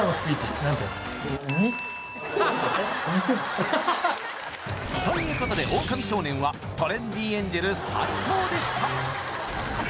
２点ということでオオカミ少年はトレンディエンジェル・斎藤でした